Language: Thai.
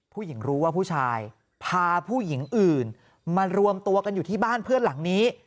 รู้ว่าผู้ชายพาผู้หญิงอื่นมารวมตัวกันอยู่ที่บ้านเพื่อนหลังนี้